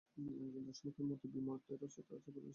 একজন দার্শনিকের মতই বিমূর্ত এর অস্তিত্ব আছে বলে বিশ্বাস করতেন।